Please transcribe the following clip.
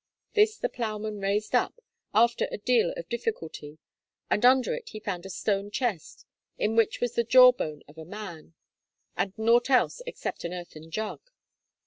This the ploughman raised up, after a deal of difficulty, and under it he found a stone chest, in which was the jawbone of a man, and nought else except an earthen jug.